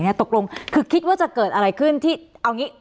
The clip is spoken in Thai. ตกลงคือคิดว่าจะเกิดอะไรขึ้นที่เอางี้